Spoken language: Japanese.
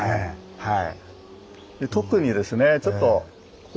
はい。